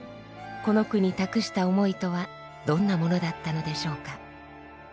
この句に託した思いとはどんなものだったのでしょうか。